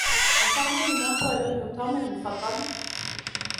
هل تعلم ماهو لون "توم" المفضل؟